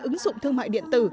ứng dụng thương mại điện tử